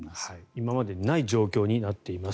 今までにない状況になっています。